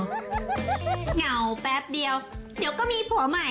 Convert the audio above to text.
เหงาแป๊บเดียวเดี๋ยวก็มีผัวใหม่